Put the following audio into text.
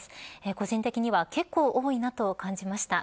個人的には結構多いなと感じました。